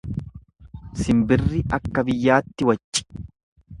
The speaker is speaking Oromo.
Simbirri akka biyyaatti wacci.